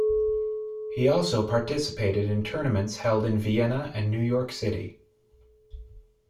He also participated in tournaments held in Vienna and New York City.